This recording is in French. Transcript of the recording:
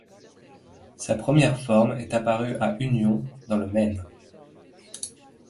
Sa première forme est apparue à Union, dans le Maine.